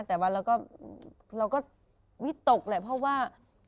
แต่ว่าเราก็วิตกแหละเพราะว่า